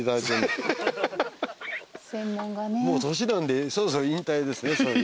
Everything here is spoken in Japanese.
もう年なんでそろそろ引退です。